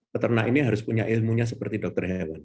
peternak ini harus punya ilmunya seperti dokter hewan